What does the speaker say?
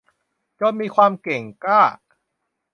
จนมีความเก่งกล้า